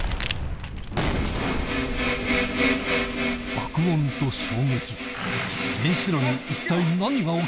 爆音と衝撃